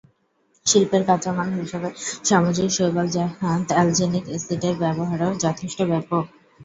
শিল্পের কাঁচামাল হিসেবে সামুদ্রিক শৈবালজাত অ্যালজিনিক এসিডের ব্যবহারও যথেষ্ট ব্যাপক।